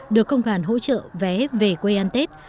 được công đoàn hỗ trợ vé về quê ăn tết